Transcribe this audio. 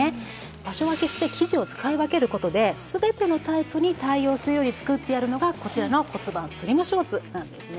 場所分けして生地を使い分ける事で全てのタイプに対応するように作ってあるのがこちらの骨盤スリムショーツなんですね。